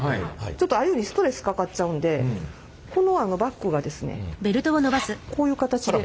ちょっとアユにストレスかかっちゃうんでこのバッグがですねこういう形で。